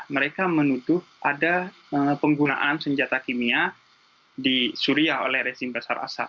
mereka menuduh ada penggunaan senjata kimia di syria oleh rejim basar asar